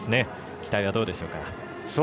期待はどうでしょうか。